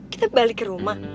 kita balik ke rumah